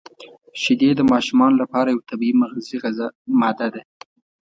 • شیدې د ماشومانو لپاره یو طبیعي مغذي ماده ده.